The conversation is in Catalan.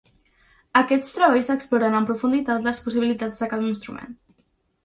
Aquests treballs exploren amb profunditat les possibilitats de cada instrument.